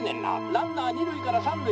ランナー二塁から三塁」。